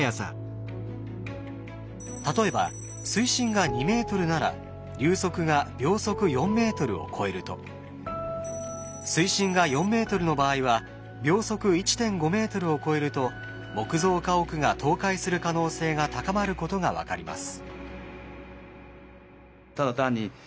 例えば水深が２ｍなら流速が秒速４ｍを超えると水深が４ｍの場合は秒速１．５ｍを超えると木造家屋が倒壊する可能性が高まることが分かります。